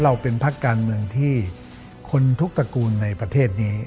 เราเป็นพักการเมืองที่คนทุกตระกูลในประเทศนี้